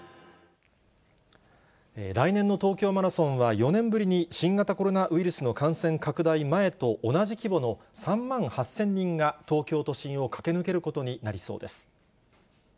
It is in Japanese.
来年の東京マラソンは、４年ぶりに新型コロナウイルスの感染拡大前と同じ規模の、３万８０００人が東京都心を駆け抜けることになりそうです。